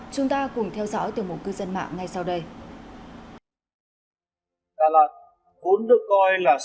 chúng ta cùng theo dõi từ một cư dân mạng ngay sau đây